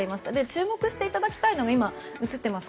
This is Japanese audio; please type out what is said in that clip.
注目していただきたいのが今、映っています